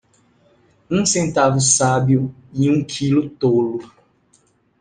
Um centavo sábio e um quilo tolo.